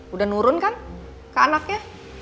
udah nurun kan ke anaknya